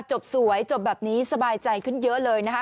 จบสวยจบแบบนี้สบายใจขึ้นเยอะเลยนะคะ